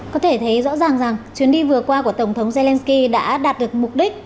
có thể thấy rõ ràng rằng chuyến đi vừa qua của tổng thống zelensky đã đạt được mục đích